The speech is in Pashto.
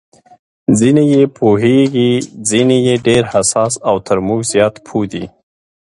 ځینې یې پوهېږي، ځینې یې ډېر حساس او تر موږ زیات پوه دي.